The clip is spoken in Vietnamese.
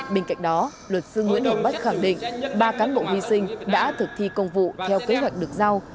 bên cạnh đó luật sư nguyễn hồng bách khẳng định ba cán bộ hy sinh đã thực thi công vụ theo kế hoạch được giao